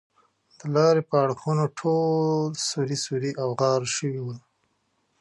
د لارې اړخونه ټول سوري سوري او غار شوي ول.